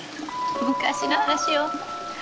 昔の話よ。